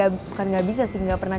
bukan gak bisa sih gak pernah